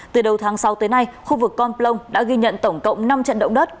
từ đầu tháng sáu tới nay khu vực con plong đã ghi nhận tổng cộng năm trận động đất